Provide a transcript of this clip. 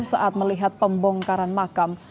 saat melihat pembongkaran makam